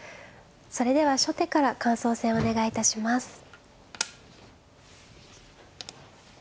それでは初手から感想戦お願い致します。